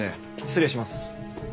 失礼します。